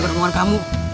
udah several kali